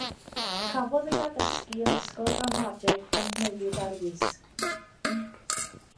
Cafodd ei addysgu yn ysgol ramadeg Pontnewydd ar Wysg.